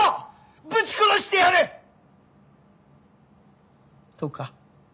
ぶち殺してやる！とか。